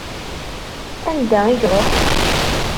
Anda i iṛuḥ?